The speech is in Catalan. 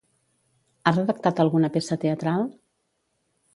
Ha redactat alguna peça teatral?